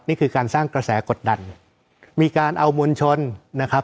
นี่คือการสร้างกระแสกดดันมีการเอามวลชนนะครับ